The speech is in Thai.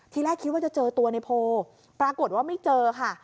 แรกคิดว่าจะเจอตัวในโพปรากฏว่าไม่เจอค่ะ